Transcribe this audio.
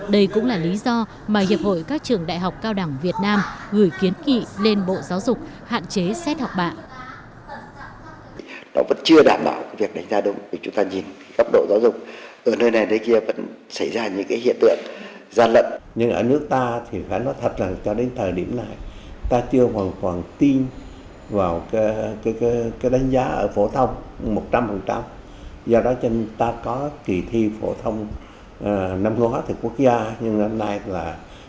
đây cũng là lý do mà hiệp hội các trường đại học cao đẳng việt nam gửi kiến kỵ lên bộ giáo dục hạn chế xét học bạ